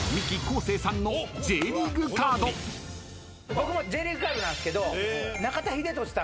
僕もＪリーグカードなんですけど。